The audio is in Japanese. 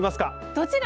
どちら？